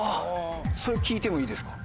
それ聴いてもいいですか？